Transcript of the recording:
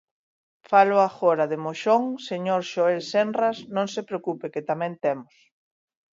Falo agora de Moxón, señor Xoel Senras, non se preocupe, que tamén temos.